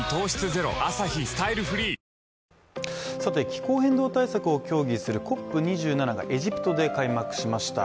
気候変動対策を協議するＣＯＰ２７がエジプトで開幕しました。